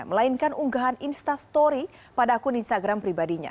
melainkan unggahan instastory pada akun instagram pribadinya